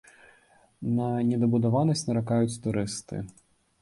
На недабудаванасць наракаюць турысты.